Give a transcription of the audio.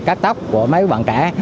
cắt tóc của mấy bạn kẻ